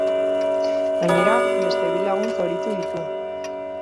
Gainera, beste bi lagun zauritu ditu.